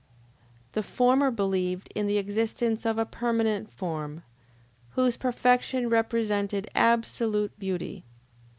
The former believed in the existence of a permanent form, whose perfection represented absolute Beauty.